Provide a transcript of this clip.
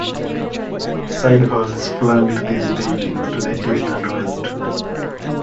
Side halls flanked these buildings to the east and west.